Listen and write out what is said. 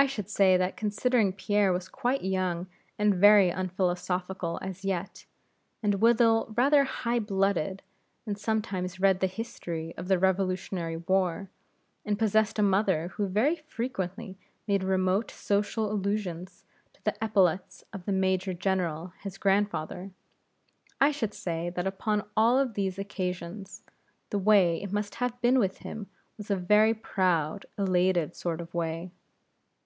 I should say that considering Pierre was quite young and very unphilosophical as yet, and withal rather high blooded; and sometimes read the History of the Revolutionary War, and possessed a mother who very frequently made remote social allusions to the epaulettes of the Major General his grandfather; I should say that upon all of these occasions, the way it must have been with him, was a very proud, elated sort of way.